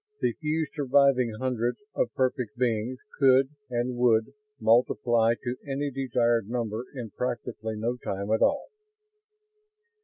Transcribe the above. The few surviving hundreds of perfect beings could and would multiply to any desired number in practically no time at all.